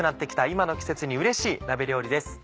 今の季節にうれしい鍋料理です。